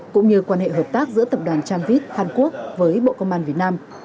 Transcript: cũng như quan hệ hợp tác giữa tập đoàn tramvit hàn quốc với bộ công an việt nam